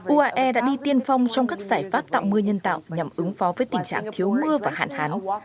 uae đã đi tiên phong trong các giải pháp tạo mưa nhân tạo nhằm ứng phó với tình trạng thiếu mưa và hạn hán